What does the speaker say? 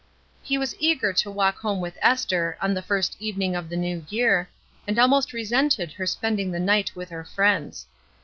He was eager to walk home with Esther, on the first evening of the new year, and almost resented her spending the night with her friends.